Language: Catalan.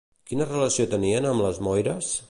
Quina relació tenien amb les Moires?